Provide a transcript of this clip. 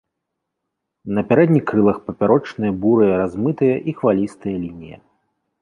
На пярэдніх крылах папярочныя бурыя размытыя і хвалістыя лініі.